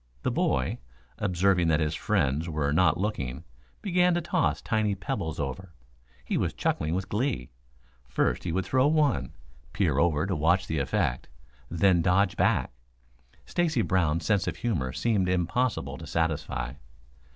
The boy, observing that his friends were not looking, began to toss tiny pebbles over. He was chuckling with glee. First he would throw one, peer over to watch the effect, then dodge back. Stacy Brown's sense of humor seemed impossible to satisfy.